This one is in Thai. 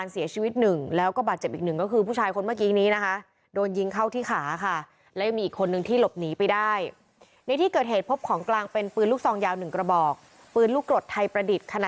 สองอีกสองกระบอกค่ะ